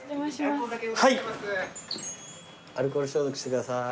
はいアルコール消毒してください。